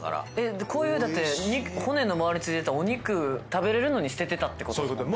こういう骨の周りに付いてたお肉食べれるのに捨ててたってことですもんね。